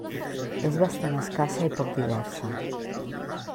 És bastant escassa i poc diversa.